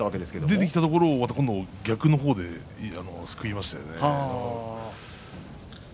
出てきたところを逆の方ですくいましたよね。